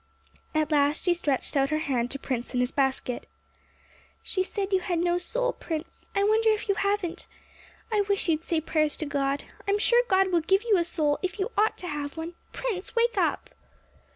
At last she stretched out her hand to Prince in his basket. 'She said you had no soul, Prince; I wonder if you haven't! I wish you'd say prayers to God; I'm sure God will give you a soul, if you ought to have one! Prince, wake up!'